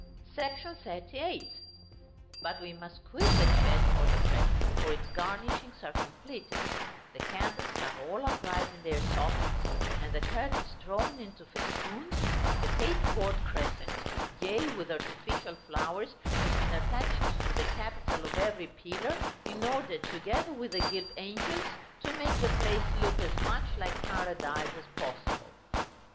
§ XXXVIII. But we must quit the church for the present, for its garnishings are completed; the candles are all upright in their sockets, and the curtains drawn into festoons, and a paste board crescent, gay with artificial flowers, has been attached to the capital of every pillar, in order, together with the gilt angels, to make the place look as much like Paradise as possible.